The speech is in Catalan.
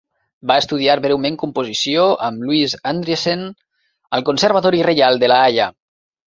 Va estudiar breument composició amb Louis Andriessen al Conservatori Reial de La Haia.